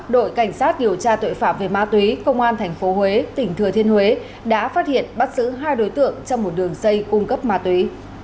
đội cảnh sát điều tra tội phạm về ma túy công an tp huế tỉnh thừa thiên huế đã phát hiện bắt giữ hai đối tượng trong một đường dây cung cấp ma túy